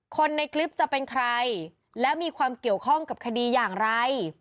คนในคลิปจะเป็นใครแล้วมีความเกี่ยวข้องกับคดีอย่างไร